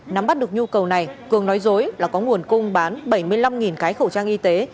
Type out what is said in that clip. nắm bắt được nhu cầu này cường nói dối là có nguồn cung bán bảy mươi năm cái khẩu trang y tế